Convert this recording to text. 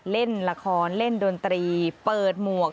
เล่นละครเล่นดนตรีเปิดหมวก